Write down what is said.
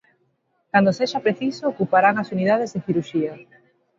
Cando sexa preciso ocuparán as unidades de cirurxía.